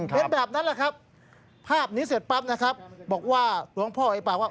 เป็นแบบนั้นแหละครับภาพนี้เสร็จปั๊บนะครับบอกว่าหลวงพ่อไอ้ปากว่า